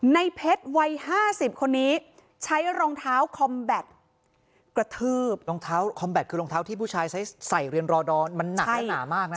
ในเพชรวัย๕๐คนนี้ใช้รองเท้าคอมแบตกระทืบรองเท้าคอมแบตคือรองเท้าที่ผู้ชายใช้ใส่เรียนรอดอนมันหนักและหนามากนะคะ